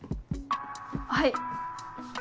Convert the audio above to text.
はい。